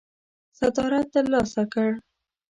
صدارت ترلاسه کړ.